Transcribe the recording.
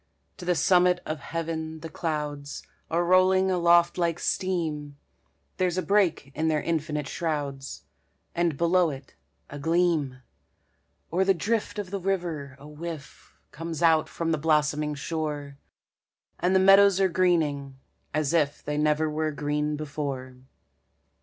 To the summit of heaven the clouds Are rolling aloft like steam; There's a break in their infinite shrouds, And below it a gleam. O'er the drift of the river a whiff Comes out from the blossoming shore; And the meadows are greening, as if They never were green before.